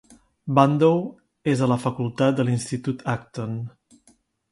Bandow és a la facultat de l'Institut Acton.